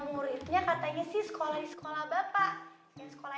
muridnya katanya sih sekolah di sekolah bapak